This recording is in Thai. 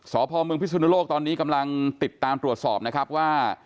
สพเมืองพิสุนโลกตอนนี้กำลังติดตามตรวจสอบนะครับว่า